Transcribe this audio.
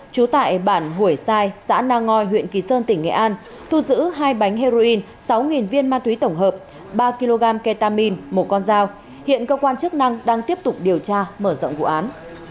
trú tại bản hủy sai xã nang ngoi huyện kỳ sơn tỉnh nghệ an thu giữ hai bánh heroin sáu viên ma túy tổng hợp ba kg ketamin một con dao hiện cơ quan chức năng đang tiếp tục điều tra mở rộng vụ án